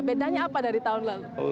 bedanya apa dari tahun lalu